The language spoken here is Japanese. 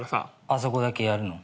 あそこだけやるの？